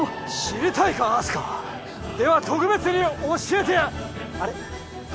知りたいか明日香。では特別に教えてやあれ？